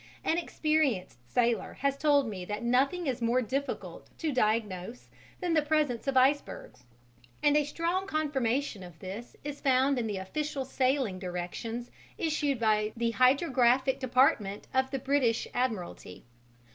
An experienced sailor has told me that nothing is more difficult to diagnose than the presence of icebergs, and a strong confirmation of this is found in the official sailing directions issued by the Hydrographic Department of the British Admiralty.